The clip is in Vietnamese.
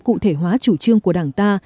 cụ thể hóa chủ trương của đảng ta